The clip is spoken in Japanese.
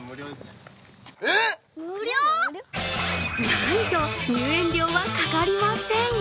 なんと入園料はかかりません！